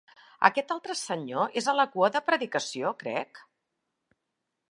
Aquest altre senyor és a la cua de predicació, crec?